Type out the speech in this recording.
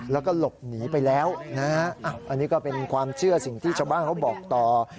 แล้วก็หลบหนีไปแล้วนะฮะอันนี้ก็เป็นความเชื่อสิ่งที่ชาวบ้านเขาบอกต่อ